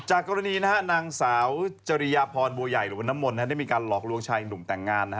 กรณีนางสาวจริยพรบัวใหญ่หรือว่าน้ำมนต์ได้มีการหลอกลวงชายหนุ่มแต่งงาน